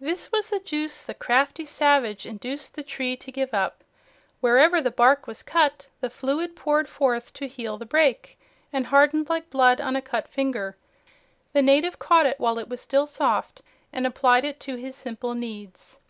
This was the juice the crafty savage induced the tree to give up. Wherever the bark was cut, the fluid poured forth to heal the break and hardened like blood on a cut finger. The native caught it while it was still soft and applied it to his simple needs.